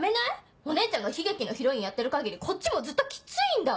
お姉ちゃんが悲劇のヒロインやってる限りこっちもずっとキツいんだわ。